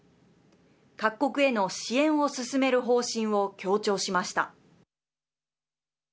各国への支援を進める方針を強調しました。